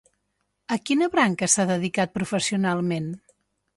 A quina branca s'ha dedicat professionalment?